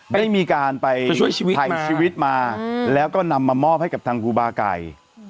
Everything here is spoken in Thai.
ไม่ได้มีการไปช่วยชีวิตถ่ายชีวิตมาแล้วก็นำมามอบให้กับทางครูบาไก่